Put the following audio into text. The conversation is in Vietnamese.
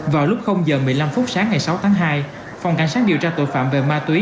vào lúc giờ một mươi năm phút sáng ngày sáu tháng hai phòng cảnh sát điều tra tội phạm về ma túy